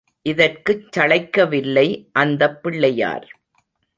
இதற்குச் சளைக்கவில்லை அந்தப் பிள்ளையார்.